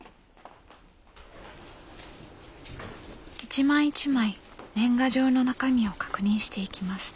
一枚一枚年賀状の中身を確認していきます。